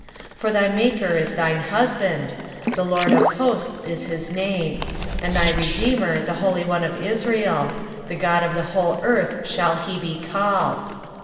23:054:005 For thy Maker is thine husband; the LORD of hosts is his name; and thy Redeemer the Holy One of Israel; The God of the whole earth shall he be called.